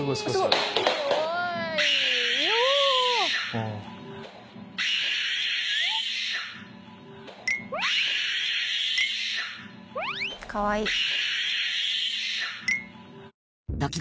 かわいい。